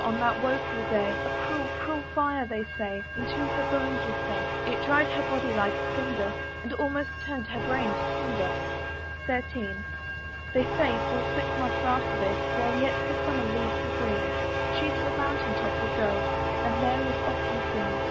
on that woful day A cruel, cruel fire, they say, Into her bones was sent: It dried her body like a cinder, And almost turn'd her brain to tinder. XIII. They say, full six months after this, While yet the summer leaves were green, She to the mountain top would go, And there was often seen.